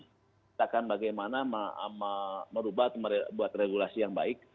kita akan bagaimana merubah buat regulasi yang baik